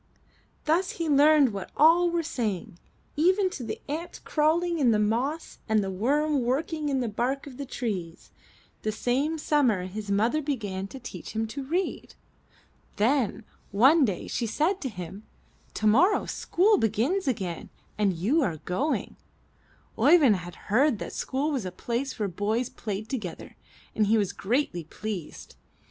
Thus he learned what all were saying, even to the ant crawling in the moss and the worm working in the bark of the trees. The same summer his mother began to teach him 366 IN THE NURSERY to read. Then one day she said to him: * 'Tomorrow school begins again and you are going/' Oeyvind had heard that school was a place where boys played together and he was greatly pleased.